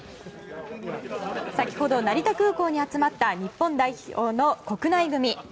先ほど成田空港に集まった日本代表の国内組。